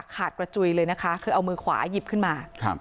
กระจุยเลยนะคะคือเอามือขวาหยิบขึ้นมา